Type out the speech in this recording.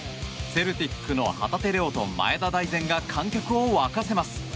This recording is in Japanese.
セルティックの旗手怜央と前田大然が観客を沸かせます。